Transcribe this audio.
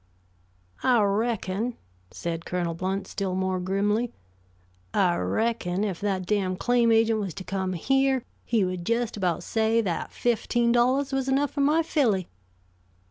"I reckon," said Colonel Blount, still more grimly; "I reckon if that damned claim agent was to come here, he would just about say that fifteen dollars was enough for my filly."